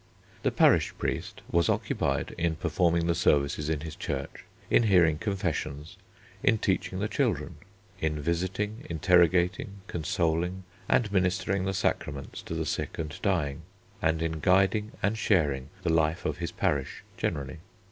The parish priest was occupied in performing the services in his church, in hearing confessions, in teaching the children, in visiting, interrogating, consoling, and ministering the Sacraments to the sick and dying, and in guiding and sharing the life of his parish generally.